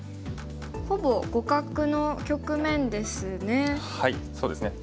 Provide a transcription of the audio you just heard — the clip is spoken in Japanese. ほぼ互角の局面ですね。